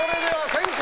先攻